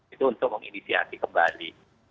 itu untuk menginisiasi kembali